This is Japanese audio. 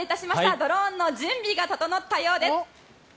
ドローンの準備が整ったようです。